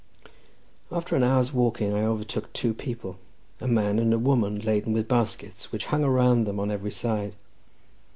After an hour's walking I overtook two people, a man and a woman laden with baskets, which hung around them on every side.